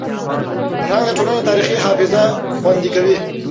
فرهنګ د ټولني تاریخي حافظه خوندي کوي.